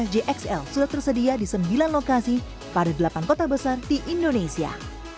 lima gxl sudah tersedia di sembilan lokasi pada delapan kota besar di indonesia